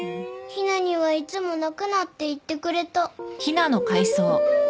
陽菜にはいつも泣くなって言ってくれた。